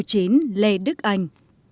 đại tướng lê đức anh